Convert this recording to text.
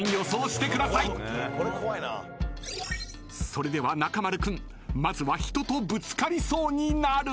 ［それでは中丸君まずは人とぶつかりそうになる］